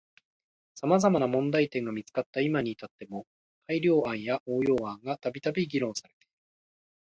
様々な問題点が見つかった今に至っても改良案や応用案がたびたび議論されている。